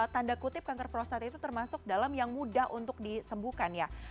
tanda kutip kanker prostat itu termasuk dalam yang mudah untuk disembuhkan ya